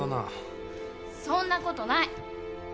そんなことない。